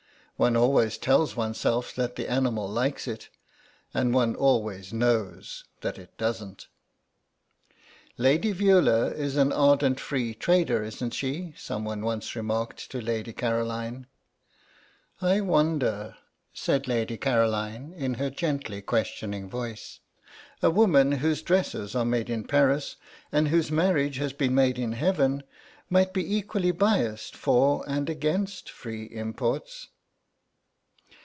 One always tells oneself that the animal likes it, and one always knows that it doesn't. "Lady Veula is an ardent Free Trader, isn't she?" someone once remarked to Lady Caroline. "I wonder," said Lady Caroline, in her gently questioning voice; "a woman whose dresses are made in Paris and whose marriage has been made in Heaven might be equally biassed for and against free imports."